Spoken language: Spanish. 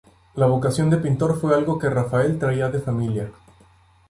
La vocación de pintor fue algo que Rafael traía de familia.